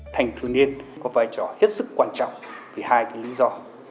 thành thiếu niên có vai trò hiết sức quan trọng vì hai lý do